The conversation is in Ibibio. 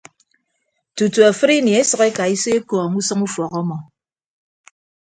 Tutu afịdini esʌk ekaiso ekọọñ usʌñ ufọk ọmmọ.